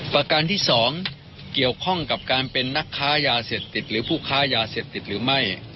ประการที่๒เกี่ยวข้องกับการเป็นนักค้ายาเสพติดหรือผู้ค้ายาเสพติดหรือไม่